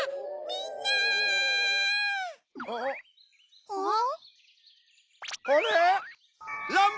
みんな！わ！